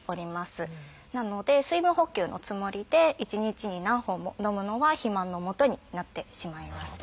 なので水分補給のつもりで１日に何本も飲むのは肥満のもとになってしまいます。